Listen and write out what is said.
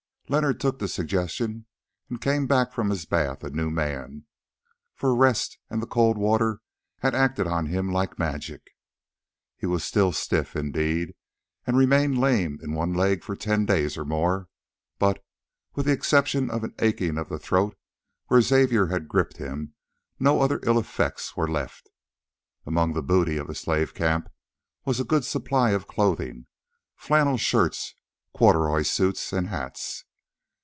Leonard took the suggestion, and came back from his bath a new man, for rest and the cold water had acted on him like magic. He was still stiff, indeed, and remained lame in one leg for ten days or more, but, with the exception of an aching of the throat where Xavier had gripped him, no other ill effects were left. Among the booty of the slave camp was a good supply of clothing, flannel shirts, corduroy suits, and hats.